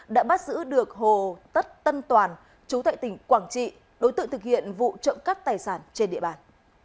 đã bắt giữ được hồ tất tân toàn chú tại tỉnh quảng trị đối tượng thực hiện vụ trộm cắp tài sản trên địa bàn